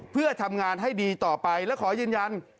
เพื่อทำงานให้ดีต่อไปและขอยืนยัน